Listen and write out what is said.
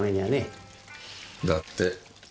だって。